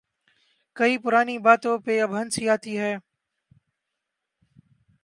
کئی پرانی باتوں پہ اب ہنسی آتی ہے۔